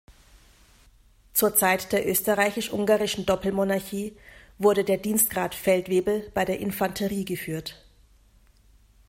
Zur Zeit der österreichisch-ungarischen Doppelmonarchie wurde der Dienstgrad Feldwebel bei der Infanterie geführt.